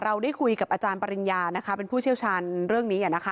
เราได้คุยกับอาจารย์ประริญญาน่ะค่ะผู้เชี่ยวชาญเรื่องนี้อย่างนี้อะค่ะ